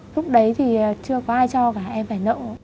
lúc đấy thì chưa có ai cho cả em phải nợ